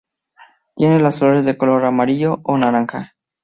Tiene las flores de color amarillo o naranja.